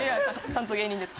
ちゃんと芸人です。